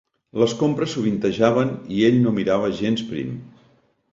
Les compres sovintejaven i ell no mirava gens prim